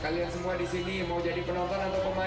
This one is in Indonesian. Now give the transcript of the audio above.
kalian semua disini mau jadi penonton atau pemain